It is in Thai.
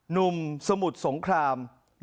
หนุ่มสมุทรสงคราม